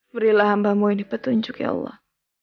berilah hambamu ini petunjuk ya allah